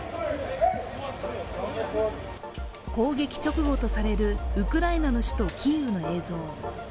攻撃直後とされるウクライナの首都キーウの映像。